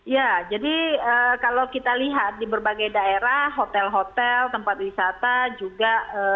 ya jadi kalau kita lihat di berbagai daerah hotel hotel tempat wisata juga